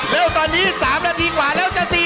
แล้วตอนนี้สามตีกว่าแล้วจะสี่